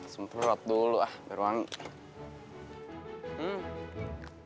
sumprut dulu biar wangi